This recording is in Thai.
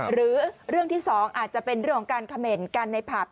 หรือเรื่องที่๒อาจจะเป็นเรื่องของการเขม่นกันในผับ